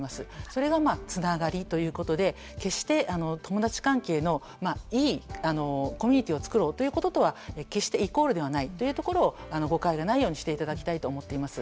それがつながりということで決して友達関係のいいコミュニティーを作ろうということは決してイコールではないというところを誤解のないようにしていただきたいと思っています。